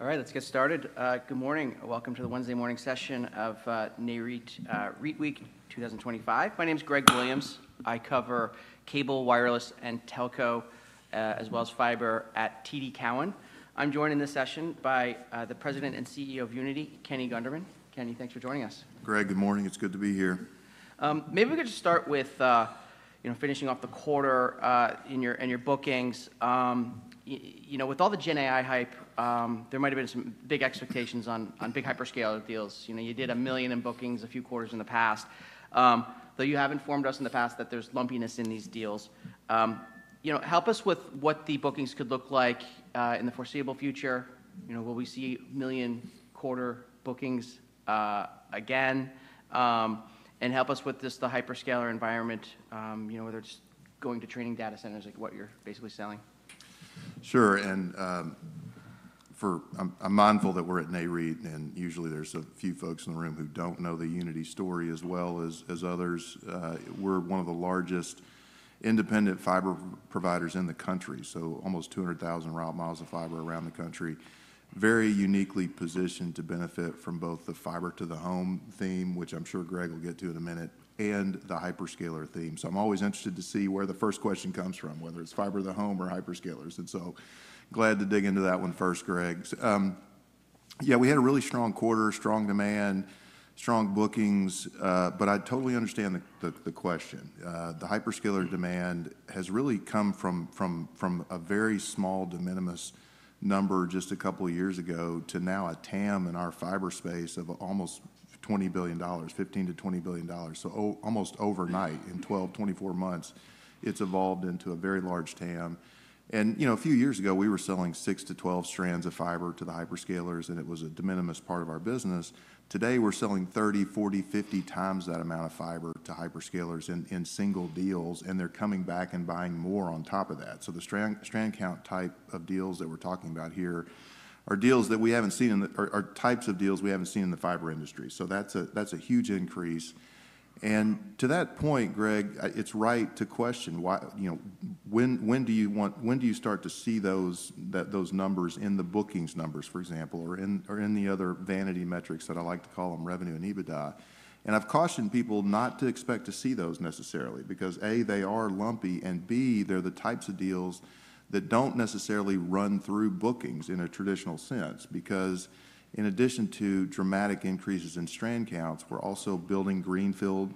All right, let's get started. Good morning. Welcome to the Wednesday morning session of Nareit REITweek 2025. My name is Greg Williams. I cover cable, wireless, and telco, as well as fiber at TD Cowen. I'm joined in this session by the President and CEO of Uniti, Kenny Gunderman. Kenny, thanks for joining us. Greg, good morning. It's good to be here. Maybe we could just start with finishing off the quarter and your bookings. With all the GenAI hype, there might have been some big expectations on big hyperscaler deals. You did a million in bookings a few quarters in the past, though you have informed us in the past that there's lumpiness in these deals. Help us with what the bookings could look like in the foreseeable future. Will we see a million quarter bookings again? Help us with just the hyperscaler environment, whether it's going to training data centers, like what you're basically selling. Sure. I'm mindful that we're at Nareit, and usually there's a few folks in the room who don't know the Uniti story as well as others. We're one of the largest independent fiber providers in the country, so almost 200,000 route miles of fiber around the country, very uniquely positioned to benefit from both the fiber-to-the-home theme, which I'm sure Greg will get to in a minute, and the hyperscaler theme. I'm always interested to see where the first question comes from, whether it's fiber-to-the-home or hyperscalers. Glad to dig into that one first, Greg. Yeah, we had a really strong quarter, strong demand, strong bookings, but I totally understand the question. The hyperscaler demand has really come from a very small, de minimis number just a couple of years ago to now a TAM in our fiber space of almost $20 billion, $15-$20 billion. Almost overnight, in 12-24 months, it's evolved into a very large TAM. A few years ago, we were selling 6-12 strands of fiber to the hyperscalers, and it was a de minimis part of our business. Today, we're selling 30, 40, 50 times that amount of fiber to hyperscalers in single deals, and they're coming back and buying more on top of that. The strand count type of deals that we're talking about here are deals that we haven't seen, the types of deals we haven't seen in the fiber industry. That's a huge increase. To that point, Greg, it's right to question, when do you start to see those numbers in the bookings numbers, for example, or in the other vanity metrics that I like to call them, revenue and EBITDA? I've cautioned people not to expect to see those necessarily because, A, they are lumpy, and B, they're the types of deals that don't necessarily run through bookings in a traditional sense. Because in addition to dramatic increases in strand counts, we're also building greenfield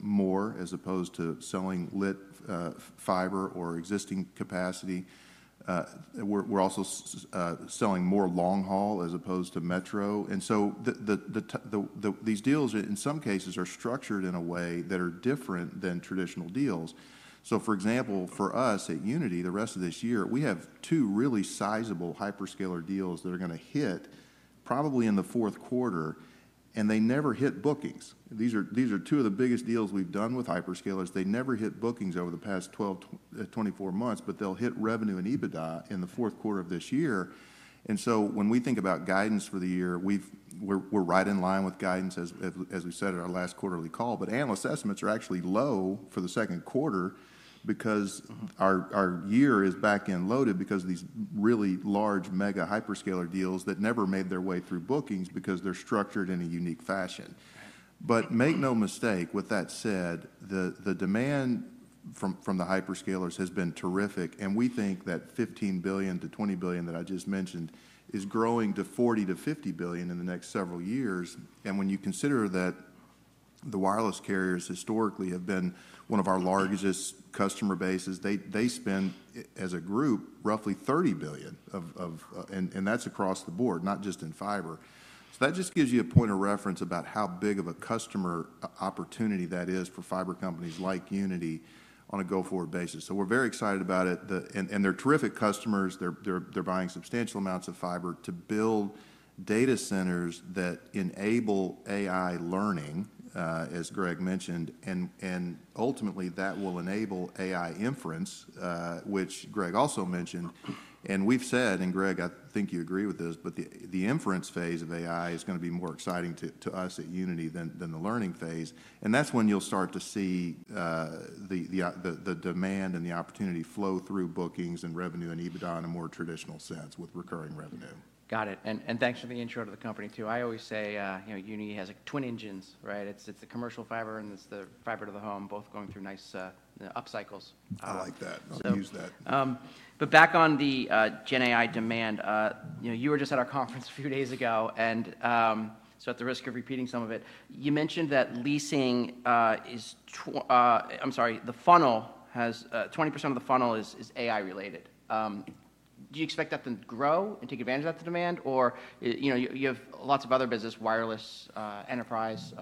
more as opposed to selling lit fiber or existing capacity. We're also selling more long-haul as opposed to metro. These deals, in some cases, are structured in a way that are different than traditional deals. For example, for us at Uniti, the rest of this year, we have two really sizable hyperscaler deals that are going to hit probably in the fourth quarter, and they never hit bookings. These are two of the biggest deals we've done with hyperscalers. They never hit bookings over the past 12-24 months, but they'll hit revenue and EBITDA in the fourth quarter of this year. When we think about guidance for the year, we're right in line with guidance, as we said in our last quarterly call. Analyst estimates are actually low for the second quarter because our year is back and loaded because of these really large mega hyperscaler deals that never made their way through bookings because they're structured in a unique fashion. Make no mistake, with that said, the demand from the hyperscalers has been terrific. We think that $15 billion-$20 billion that I just mentioned is growing to $40 billion-$50 billion in the next several years. When you consider that the wireless carriers historically have been one of our largest customer bases, they spend as a group roughly $30 billion, and that's across the board, not just in fiber. That just gives you a point of reference about how big of a customer opportunity that is for fiber companies like Uniti on a go-forward basis. We are very excited about it. They are terrific customers. They are buying substantial amounts of fiber to build data centers that enable AI learning, as Greg mentioned. Ultimately, that will enable AI inference, which Greg also mentioned. We have said, and Greg, I think you agree with this, but the inference phase of AI is going to be more exciting to us at Uniti than the learning phase. That is when you'll start to see the demand and the opportunity flow through bookings and revenue and EBITDA in a more traditional sense with recurring revenue. Got it. Thanks for the intro to the company too. I always say Uniti has twin engines, right? It's the commercial fiber and it's the fiber to the home, both going through nice upcycles. I like that. I'll use that. Back on the GenAI demand, you were just at our conference a few days ago. At the risk of repeating some of it, you mentioned that the funnel has 20% of the funnel is AI-related. Do you expect that to grow and take advantage of that demand? You have lots of other business, wireless enterprise,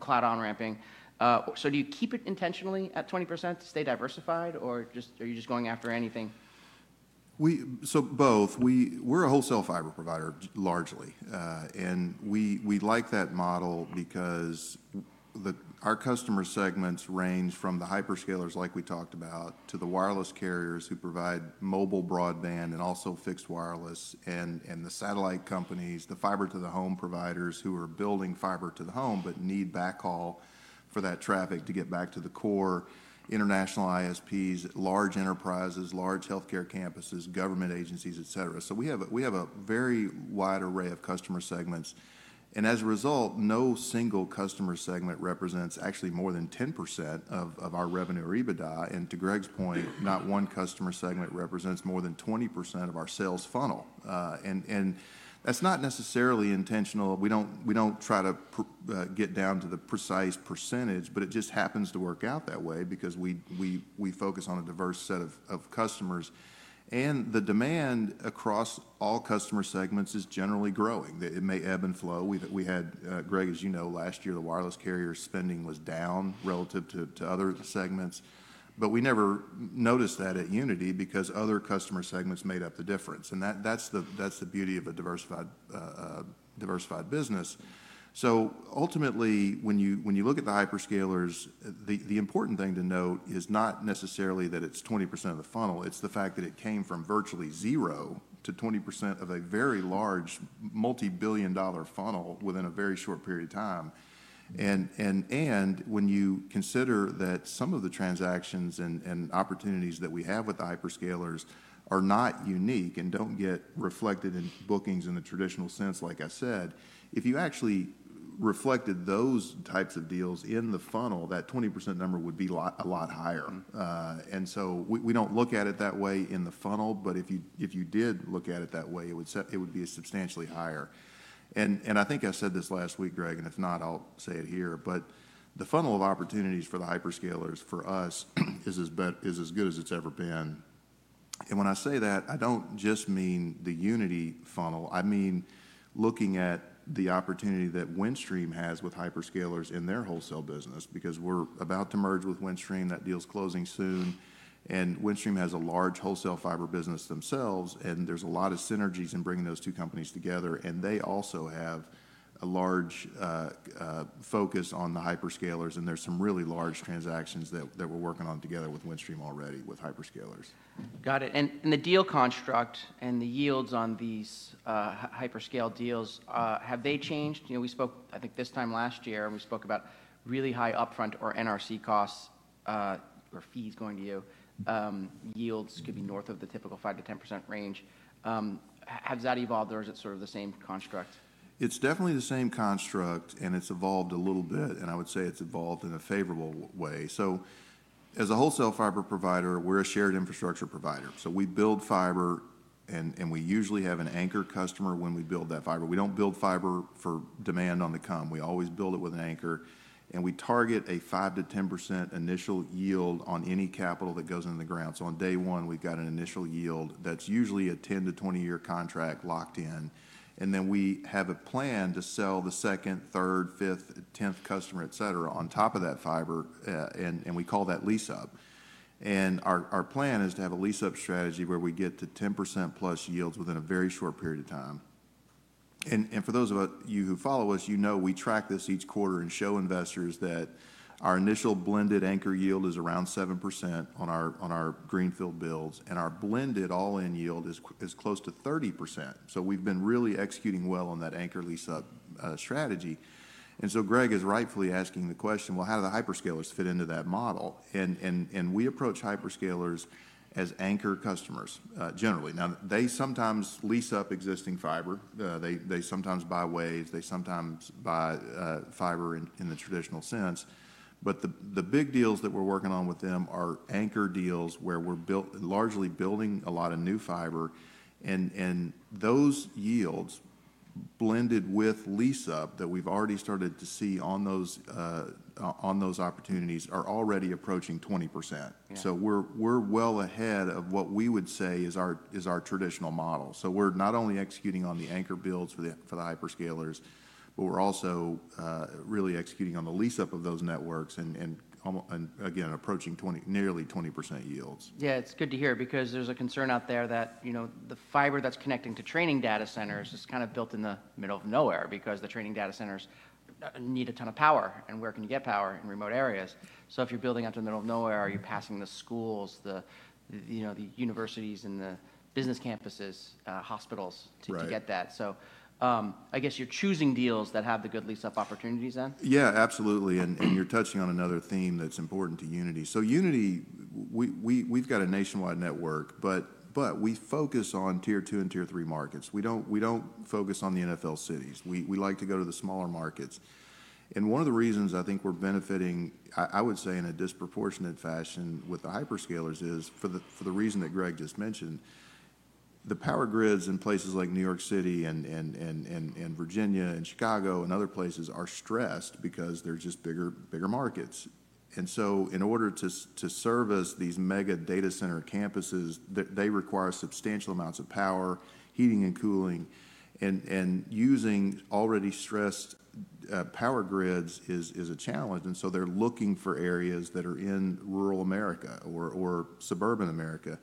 cloud on-ramping. Do you keep it intentionally at 20%, stay diversified, or are you just going after anything? Both. We're a wholesale fiber provider largely. We like that model because our customer segments range from the hyperscalers like we talked about to the wireless carriers who provide mobile broadband and also fixed wireless and the satellite companies, the fiber-to-the-home providers who are building fiber to the home but need backhaul for that traffic to get back to the core, international ISPs, large enterprises, large healthcare campuses, government agencies, et cetera. We have a very wide array of customer segments. As a result, no single customer segment represents actually more than 10% of our revenue or EBITDA. To Greg's point, not one customer segment represents more than 20% of our sales funnel. That's not necessarily intentional. We do not try to get down to the precise percentage, but it just happens to work out that way because we focus on a diverse set of customers. The demand across all customer segments is generally growing. It may ebb and flow. We had, Greg, as you know, last year, the wireless carrier spending was down relative to other segments. We never noticed that at Uniti because other customer segments made up the difference. That is the beauty of a diversified business. Ultimately, when you look at the hyperscalers, the important thing to note is not necessarily that it is 20% of the funnel. It is the fact that it came from virtually zero to 20% of a very large multi-billion dollar funnel within a very short period of time. When you consider that some of the transactions and opportunities that we have with the hyperscalers are not unique and do not get reflected in bookings in the traditional sense, like I said, if you actually reflected those types of deals in the funnel, that 20% number would be a lot higher. We do not look at it that way in the funnel, but if you did look at it that way, it would be substantially higher. I think I said this last week, Greg, and if not, I will say it here, the funnel of opportunities for the hyperscalers for us is as good as it has ever been. When I say that, I do not just mean the Uniti funnel. I mean looking at the opportunity that Windstream has with hyperscalers in their wholesale business because we are about to merge with Windstream. That deal is closing soon. Windstream has a large wholesale fiber business themselves, and there's a lot of synergies in bringing those two companies together. They also have a large focus on the hyperscalers, and there's some really large transactions that we're working on together with Windstream already with hyperscalers. Got it. The deal construct and the yields on these hyperscale deals, have they changed? We spoke, I think this time last year, we spoke about really high upfront or NRC costs or fees going to you. Yields could be north of the typical 5-10% range. Has that evolved, or is it sort of the same construct? It's definitely the same construct, and it's evolved a little bit. I would say it's evolved in a favorable way. As a wholesale fiber provider, we're a shared infrastructure provider. We build fiber, and we usually have an anchor customer when we build that fiber. We don't build fiber for demand on the come. We always build it with an anchor. We target a 5-10% initial yield on any capital that goes into the ground. On day one, we've got an initial yield that's usually a 10-20 year contract locked in. We have a plan to sell the second, third, fifth, tenth customer, et cetera, on top of that fiber. We call that lease-up. Our plan is to have a lease-up strategy where we get to 10% plus yields within a very short period of time. For those of you who follow us, you know we track this each quarter and show investors that our initial blended anchor yield is around 7% on our greenfield builds. Our blended all-in yield is close to 30%. We have been really executing well on that anchor lease-up strategy. Greg is rightfully asking the question, how do the hyperscalers fit into that model? We approach hyperscalers as anchor customers generally. They sometimes lease up existing fiber. They sometimes buy waves. They sometimes buy fiber in the traditional sense. The big deals that we are working on with them are anchor deals where we are largely building a lot of new fiber. Those yields blended with lease-up that we have already started to see on those opportunities are already approaching 20%. We are well ahead of what we would say is our traditional model. We're not only executing on the anchor builds for the hyperscalers, but we're also really executing on the lease-up of those networks and, again, approaching nearly 20% yields. Yeah, it's good to hear because there's a concern out there that the fiber that's connecting to training data centers is kind of built in the middle of nowhere because the training data centers need a ton of power. Where can you get power in remote areas? If you're building out the middle of nowhere, are you passing the schools, the universities, and the business campuses, hospitals to get that? I guess you're choosing deals that have the good lease-up opportunities then? Yeah, absolutely. You're touching on another theme that's important to Uniti. So Uniti, we've got a nationwide network, but we focus on tier two and tier three markets. We don't focus on the NFL cities. We like to go to the smaller markets. One of the reasons I think we're benefiting, I would say in a disproportionate fashion with the hyperscalers, is for the reason that Greg just mentioned, the power grids in places like New York City and Virginia and Chicago and other places are stressed because they're just bigger markets. In order to service these mega data center campuses, they require substantial amounts of power, heating, and cooling. Using already stressed power grids is a challenge. They are looking for areas that are in rural America or suburban America,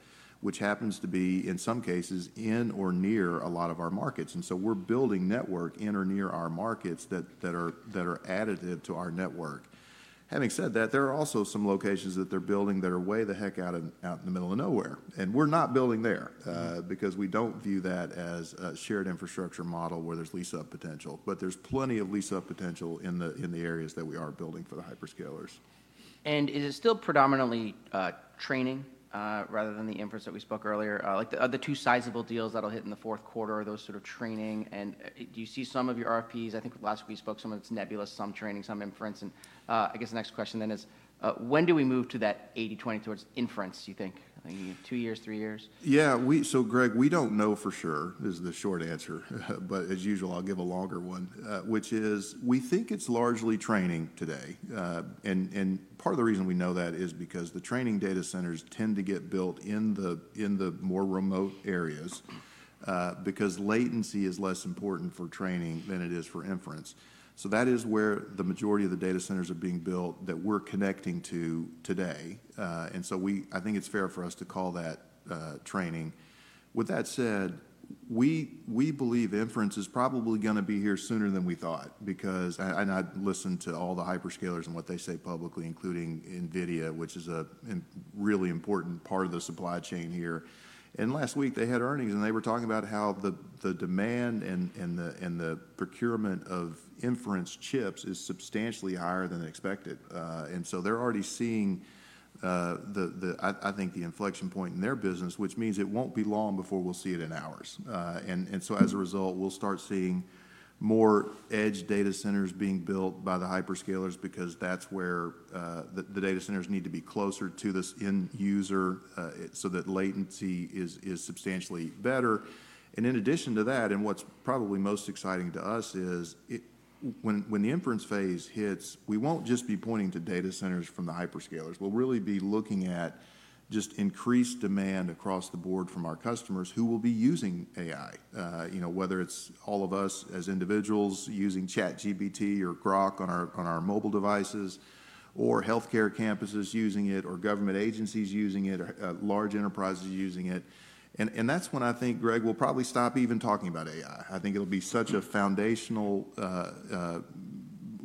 which happens to be, in some cases, in or near a lot of our markets. We are building network in or near our markets that are additive to our network. Having said that, there are also some locations that they are building that are way the heck out in the middle of nowhere. We are not building there because we do not view that as a shared infrastructure model where there is lease-up potential. There is plenty of lease-up potential in the areas that we are building for the hyperscalers. Is it still predominantly training rather than the inference that we spoke earlier? Like the other two sizable deals that'll hit in the fourth quarter, those sort of training? Do you see some of your RFPs? I think last week we spoke some of it's Nebula, some training, some inference. I guess the next question then is, when do we move to that 80/20 towards inference, do you think? Two years, three years? Yeah. Greg, we do not know for sure is the short answer. As usual, I will give a longer one, which is we think it is largely training today. Part of the reason we know that is because the training data centers tend to get built in the more remote areas because latency is less important for training than it is for inference. That is where the majority of the data centers are being built that we are connecting to today. I think it is fair for us to call that training. With that said, we believe inference is probably going to be here sooner than we thought because I listened to all the hyperscalers and what they say publicly, including NVIDIA, which is a really important part of the supply chain here. Last week, they had earnings, and they were talking about how the demand and the procurement of inference chips is substantially higher than expected. They are already seeing, I think, the inflection point in their business, which means it will not be long before we will see it in ours. As a result, we will start seeing more edge data centers being built by the hyperscalers because that is where the data centers need to be closer to this end user so that latency is substantially better. In addition to that, and what is probably most exciting to us is when the inference phase hits, we will not just be pointing to data centers from the hyperscalers. We'll really be looking at just increased demand across the board from our customers who will be using AI, whether it's all of us as individuals using ChatGPT or Grok on our mobile devices or healthcare campuses using it or government agencies using it or large enterprises using it. I think, Greg, we'll probably stop even talking about AI. I think it'll be such a foundational,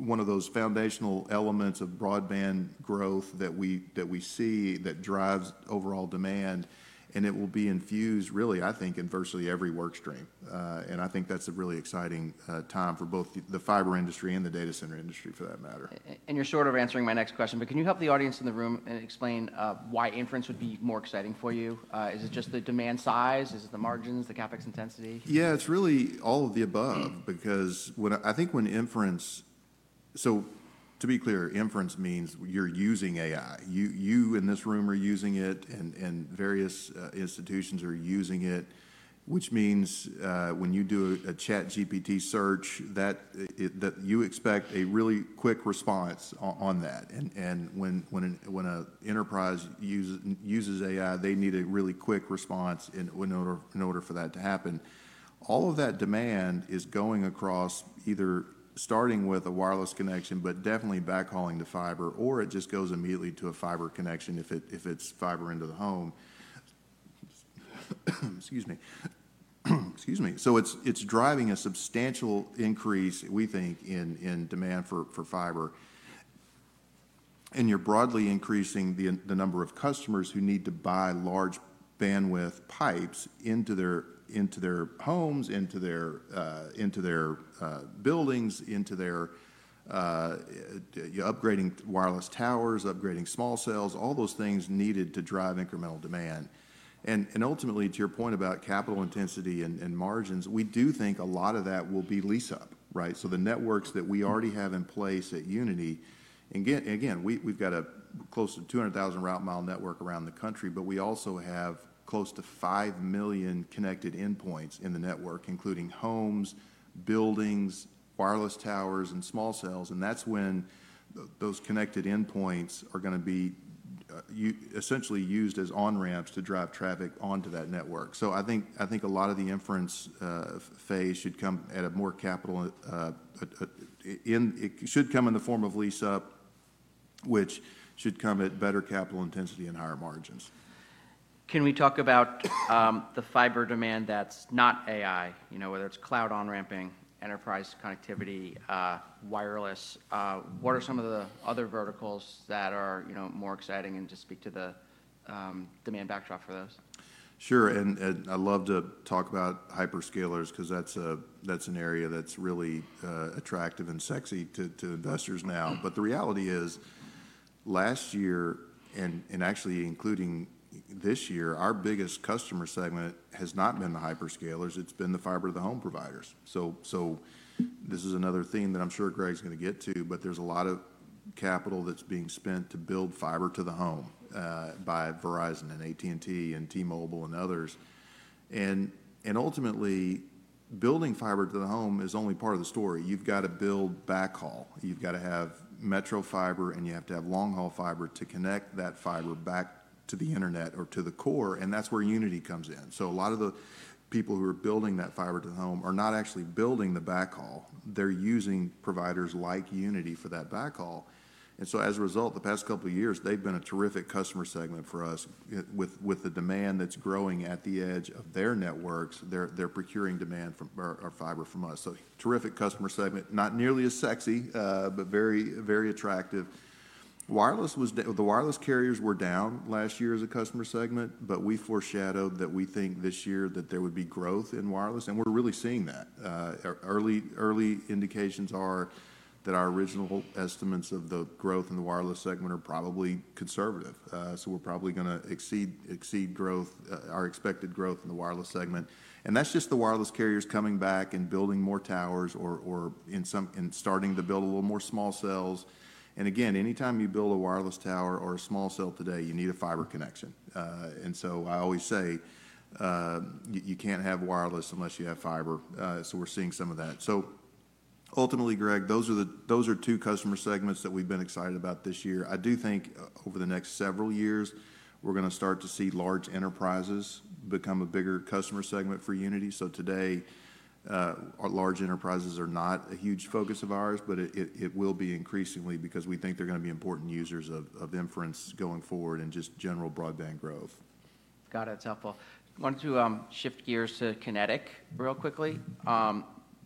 one of those foundational elements of broadband growth that we see that drives overall demand. It will be infused, really, I think, in virtually every workstream. I think that's a really exciting time for both the fiber industry and the data center industry for that matter. You're short of answering my next question, but can you help the audience in the room and explain why inference would be more exciting for you? Is it just the demand size? Is it the margins, the CapEx intensity? Yeah, it's really all of the above because I think when inference, so to be clear, inference means you're using AI. You in this room are using it, and various institutions are using it, which means when you do a ChatGPT search, that you expect a really quick response on that. When an enterprise uses AI, they need a really quick response in order for that to happen. All of that demand is going across either starting with a wireless connection, but definitely backhauling to fiber, or it just goes immediately to a fiber connection if it's fiber into the home. Excuse me. Excuse me. It's driving a substantial increase, we think, in demand for fiber. You are broadly increasing the number of customers who need to buy large bandwidth pipes into their homes, into their buildings, into their upgrading wireless towers, upgrading small cells, all those things needed to drive incremental demand. Ultimately, to your point about capital intensity and margins, we do think a lot of that will be lease-up, right? The networks that we already have in place at Uniti, and again, we have close to 200,000 route mile network around the country, but we also have close to 5 million connected endpoints in the network, including homes, buildings, wireless towers, and small cells. That is when those connected endpoints are going to be essentially used as on-ramps to drive traffic onto that network. I think a lot of the inference phase should come at more capital, and it should come in the form of lease-up, which should come at better capital intensity and higher margins. Can we talk about the fiber demand that's not AI, whether it's cloud on-ramping, enterprise connectivity, wireless? What are some of the other verticals that are more exciting and just speak to the demand backdrop for those? Sure. I'd love to talk about hyperscalers because that's an area that's really attractive and sexy to investors now. The reality is, last year, and actually including this year, our biggest customer segment has not been the hyperscalers. It's been the fiber to the home providers. This is another theme that I'm sure Greg's going to get to, but there's a lot of capital that's being spent to build fiber to the home by Verizon and AT&T and T-Mobile and others. Ultimately, building fiber to the home is only part of the story. You've got to build backhaul. You've got to have metro fiber, and you have to have long-haul fiber to connect that fiber back to the internet or to the core. That's where Uniti comes in. A lot of the people who are building that fiber to the home are not actually building the backhaul. They're using providers like Uniti for that backhaul. As a result, the past couple of years, they've been a terrific customer segment for us with the demand that's growing at the edge of their networks. They're procuring demand for our fiber from us. Terrific customer segment, not nearly as sexy, but very attractive. The wireless carriers were down last year as a customer segment, but we foreshadowed that we think this year that there would be growth in wireless. We're really seeing that. Early indications are that our original estimates of the growth in the wireless segment are probably conservative. We're probably going to exceed growth, our expected growth in the wireless segment. That is just the wireless carriers coming back and building more towers or starting to build a little more small cells. Again, anytime you build a wireless tower or a small cell today, you need a fiber connection. I always say you cannot have wireless unless you have fiber. We are seeing some of that. Ultimately, Greg, those are two customer segments that we have been excited about this year. I do think over the next several years, we are going to start to see large enterprises become a bigger customer segment for Uniti. Today, large enterprises are not a huge focus of ours, but it will be increasingly because we think they are going to be important users of inference going forward and just general broadband growth. Got it. That's helpful. I wanted to shift gears to Kinetic real quickly.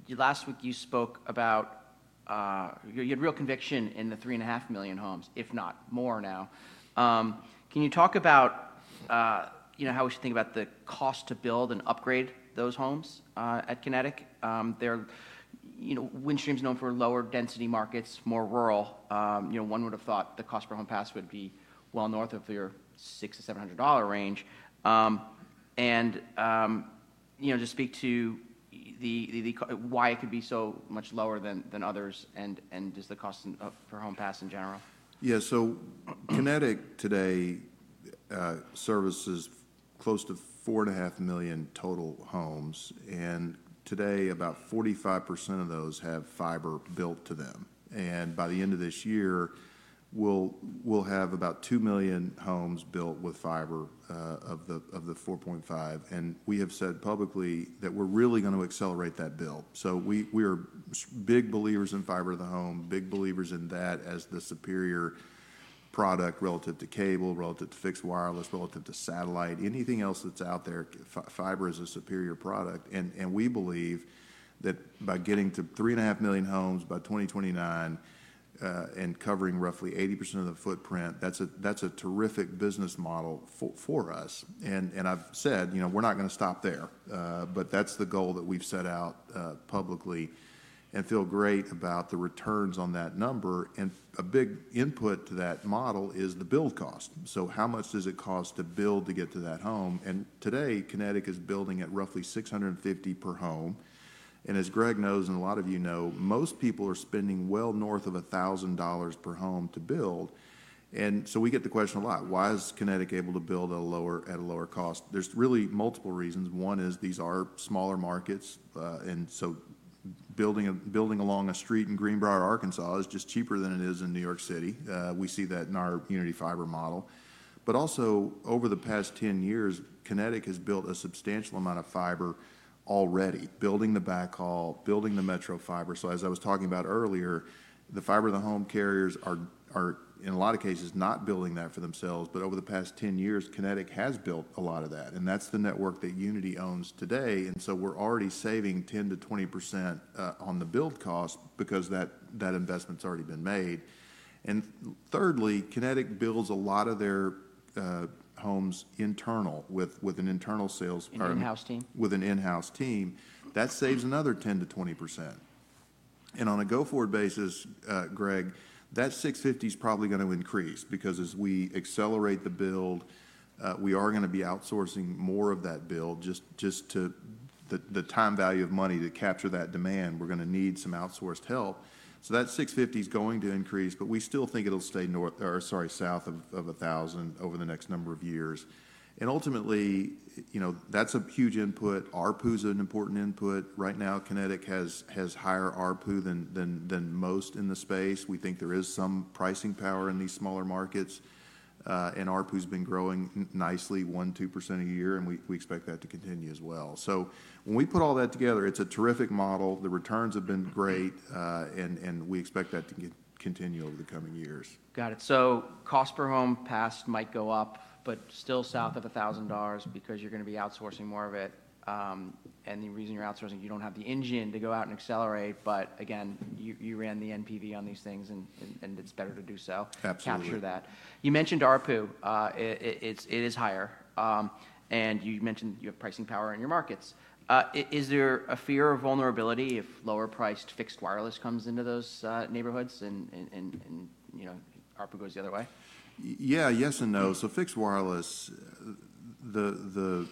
Last week, you spoke about you had real conviction in the three and a half million homes, if not more now. Can you talk about how we should think about the cost to build and upgrade those homes at Kinetic? Windstream is known for lower density markets, more rural. One would have thought the cost per home pass would be well north of your $600-$700 range. Just speak to why it could be so much lower than others and just the cost per home pass in general. Yeah. Kinetic today services close to 4.5 million total homes. Today, about 45% of those have fiber built to them. By the end of this year, we'll have about 2 million homes built with fiber of the 4.5. We have said publicly that we're really going to accelerate that build. We are big believers in fiber to the home, big believers in that as the superior product relative to cable, relative to fixed wireless, relative to satellite, anything else that's out there. Fiber is a superior product. We believe that by getting to 3.5 million homes by 2029 and covering roughly 80% of the footprint, that's a terrific business model for us. I've said we're not going to stop there, but that's the goal that we've set out publicly. I feel great about the returns on that number. A big input to that model is the build cost. How much does it cost to build to get to that home? Today, Kinetic is building at roughly $650 per home. As Greg knows and a lot of you know, most people are spending well north of $1,000 per home to build. We get the question a lot. Why is Kinetic able to build at a lower cost? There are really multiple reasons. One is these are smaller markets. Building along a street in Greenbrier, Arkansas, is just cheaper than it is in New York City. We see that in our Uniti Fiber model. Also, over the past 10 years, Kinetic has built a substantial amount of fiber already, building the backhaul, building the metro fiber. As I was talking about earlier, the fiber to the home carriers are, in a lot of cases, not building that for themselves. Over the past 10 years, Kinetic has built a lot of that. That is the network that Uniti owns today. We are already saving 10-20% on the build cost because that investment's already been made. Thirdly, Kinetic builds a lot of their homes internal with an internal sales. An in-house team. With an in-house team. That saves another 10-20%. On a go-forward basis, Greg, that $650 is probably going to increase because as we accelerate the build, we are going to be outsourcing more of that build just to the time value of money to capture that demand. We are going to need some outsourced help. That $650 is going to increase, but we still think it will stay south of $1,000 over the next number of years. Ultimately, that is a huge input. ARPU is an important input. Right now, Kinetic has higher ARPU than most in the space. We think there is some pricing power in these smaller markets. ARPU has been growing nicely, 1%-2% a year. We expect that to continue as well. When we put all that together, it is a terrific model. The returns have been great. We expect that to continue over the coming years. Got it. Cost per home pass might go up, but still south of $1,000 because you're going to be outsourcing more of it. The reason you're outsourcing, you don't have the engine to go out and accelerate. Again, you ran the NPV on these things, and it's better to do so. Absolutely. Capture that. You mentioned ARPU. It is higher. You mentioned you have pricing power in your markets. Is there a fear of vulnerability if lower-priced fixed wireless comes into those neighborhoods and ARPU goes the other way? Yeah, yes and no. Fixed wireless, the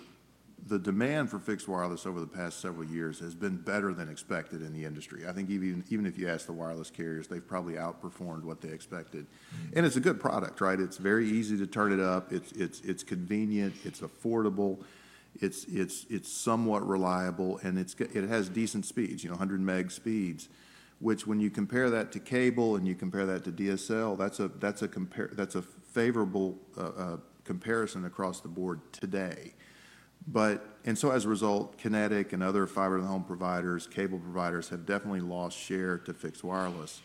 demand for fixed wireless over the past several years has been better than expected in the industry. I think even if you ask the wireless carriers, they've probably outperformed what they expected. It's a good product, right? It's very easy to turn it up. It's convenient. It's affordable. It's somewhat reliable. It has decent speeds, 100 meg speeds, which when you compare that to cable and you compare that to DSL, that's a favorable comparison across the board today. As a result, Kinetic and other fiber to the home providers, cable providers have definitely lost share to fixed wireless.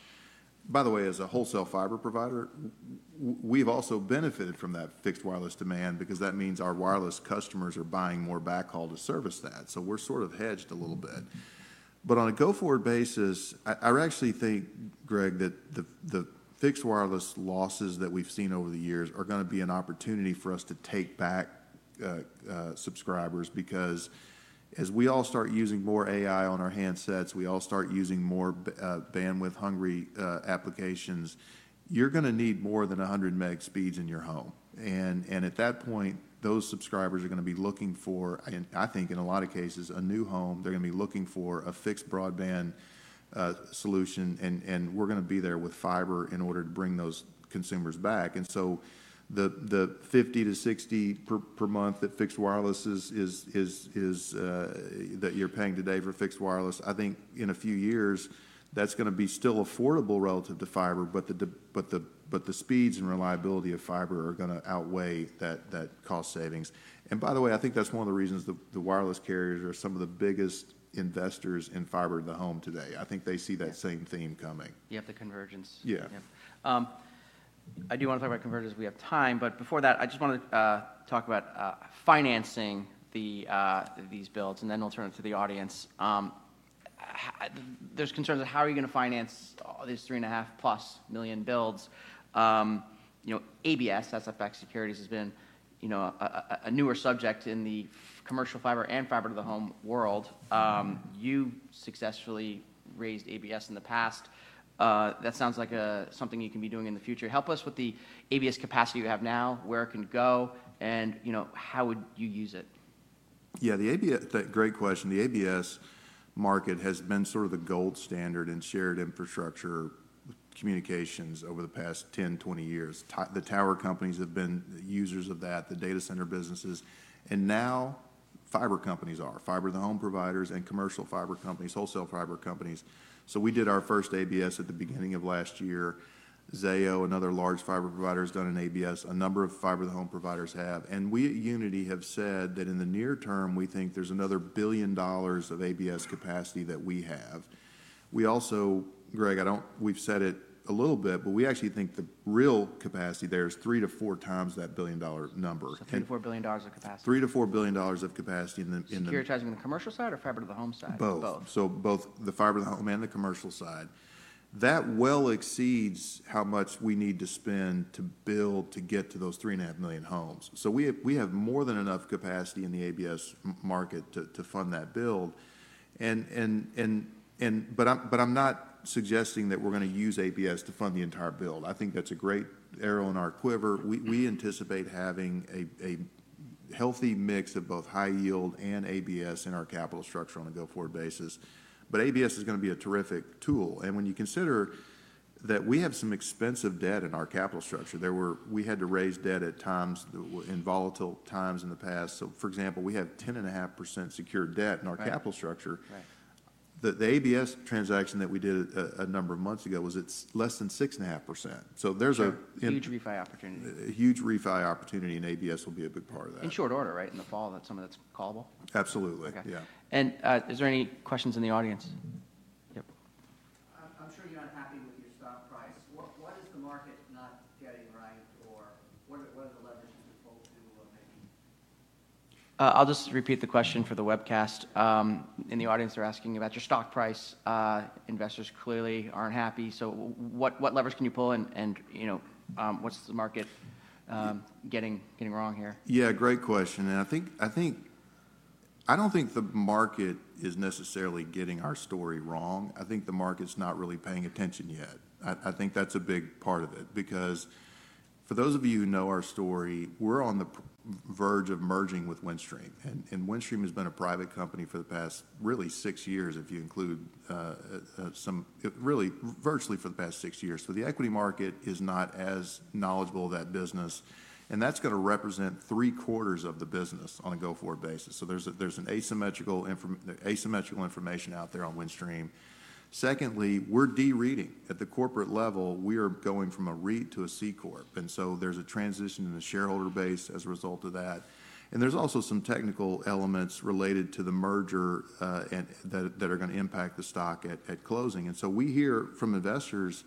By the way, as a wholesale fiber provider, we've also benefited from that fixed wireless demand because that means our wireless customers are buying more backhaul to service that. We're sort of hedged a little bit. On a go-forward basis, I actually think, Greg, that the fixed wireless losses that we've seen over the years are going to be an opportunity for us to take back subscribers because as we all start using more AI on our handsets, we all start using more bandwidth-hungry applications, you're going to need more than 100 Mbps speeds in your home. At that point, those subscribers are going to be looking for, I think in a lot of cases, a new home. They're going to be looking for a fixed broadband solution. We're going to be there with fiber in order to bring those consumers back. The $50-$60 per month that fixed wireless is that you're paying today for fixed wireless, I think in a few years, that's going to be still affordable relative to fiber, but the speeds and reliability of fiber are going to outweigh that cost savings. By the way, I think that's one of the reasons the wireless carriers are some of the biggest investors in fiber to the home today. I think they see that same theme coming. Yep, the convergence. Yeah. I do want to talk about convergence. We have time. Before that, I just want to talk about financing these builds. Then we'll turn it to the audience. There's concerns of how are you going to finance these three and a half plus million builds. ABS, Asset-Backed Securities, has been a newer subject in the commercial fiber and fiber to the home world. You successfully raised ABS in the past. That sounds like something you can be doing in the future. Help us with the ABS capacity you have now, where it can go, and how would you use it? Yeah, the ABS, great question. The ABS market has been sort of the gold standard in shared infrastructure communications over the past 10-20 years. The tower companies have been users of that, the data center businesses. Now fiber companies are, fiber to the home providers and commercial fiber companies, wholesale fiber companies. We did our first ABS at the beginning of last year. Zayo, another large fiber provider, has done an ABS. A number of fiber to the home providers have. We at Uniti have said that in the near term, we think there's another $1 billion of ABS capacity that we have. Also, Greg, we've said it a little bit, but we actually think the real capacity there is three to four times that $1 billion number. $3 billion-$4 billion of capacity. $3 billion-$4 billion of capacity in the. You're charging the commercial side or fiber to the home side? Both. Both. Both the fiber to the home and the commercial side, that well exceeds how much we need to spend to build to get to those three and a half million homes. We have more than enough capacity in the ABS market to fund that build. I am not suggesting that we are going to use ABS to fund the entire build. I think that is a great arrow in our quiver. We anticipate having a healthy mix of both high yield and ABS in our capital structure on a go-forward basis. ABS is going to be a terrific tool. When you consider that we have some expensive debt in our capital structure, we had to raise debt at times in volatile times in the past. For example, we have 10.5% secured debt in our capital structure. The ABS transaction that we did a number of months ago was less than 6.5%. So there's a. Huge refi opportunity. A huge refi opportunity in ABS will be a big part of that. In short order, right? In the fall, that's something that's callable. Absolutely. Yeah. Are there any questions in the audience? Yep. I'm sure you're unhappy with your stock price. What is the market not getting right? Or what are the levers you could pull to maybe? I'll just repeat the question for the webcast. In the audience, they're asking about your stock price. Investors clearly aren't happy. What levers can you pull? What's the market getting wrong here? Yeah, great question. I think I don't think the market is necessarily getting our story wrong. I think the market's not really paying attention yet. I think that's a big part of it. Because for those of you who know our story, we're on the verge of merging with Windstream. Windstream has been a private company for the past, really, six years, if you include some, really, virtually for the past six years. The equity market is not as knowledgeable of that business. That's going to represent three quarters of the business on a go-forward basis. There's asymmetrical information out there on Windstream. Secondly, we're de-REITing. At the corporate level, we are going from a REIT to a C Corp There's a transition in the shareholder base as a result of that. There are also some technical elements related to the merger that are going to impact the stock at closing. We hear from investors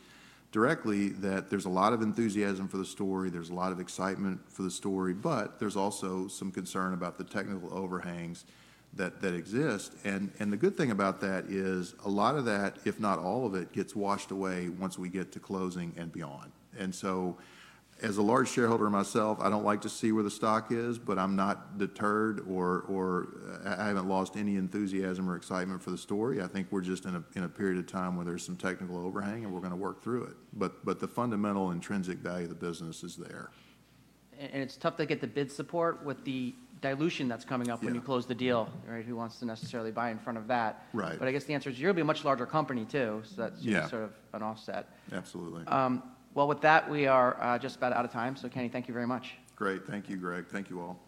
directly that there is a lot of enthusiasm for the story. There is a lot of excitement for the story. There is also some concern about the technical overhangs that exist. The good thing about that is a lot of that, if not all of it, gets washed away once we get to closing and beyond. As a large shareholder myself, I do not like to see where the stock is, but I am not deterred or I have not lost any enthusiasm or excitement for the story. I think we are just in a period of time where there is some technical overhang, and we are going to work through it. The fundamental intrinsic value of the business is there. It is tough to get the bid support with the dilution that is coming up when you close the deal, right? Who wants to necessarily buy in front of that? Right. I guess the answer is you're going to be a much larger company too. So that's sort of an offset. Absolutely. We are just about out of time. So Kenny, thank you very much. Great. Thank you, Greg. Thank you all.